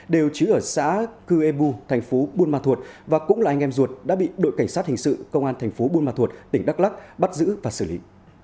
đều chỉ ở xã cư e bu thành phố buôn ma thuột và cũng là anh em ruột đã bị đội cảnh sát hình sự công an thành phố buôn ma thuột tỉnh đắk lắc bắt giữ và xử lý